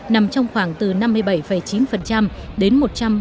nằm trong khoảng từ năm mươi bảy chín đến một trăm bốn mươi bảy tám